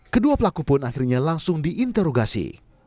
kedua pelaku pun akhirnya langsung diinterogasi